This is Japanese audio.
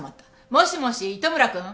もしもし糸村くん？